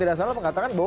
terima kasih banyak banyak